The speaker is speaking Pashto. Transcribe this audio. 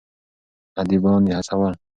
اديبان يې هڅول.